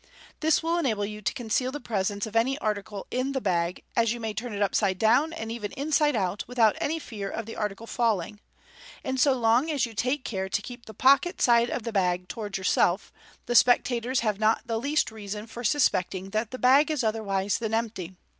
This will enable you to conceal the presence of any article in the bag, as you may turn it upside down, and even inside out, MODERN MAGIC. 327 without any fear of the article falling ; and so long as you take care to keep the " pocket " side of the bag towards yourself, the spectator! have not the least reason for suspecting that the bag is otherwise than empty.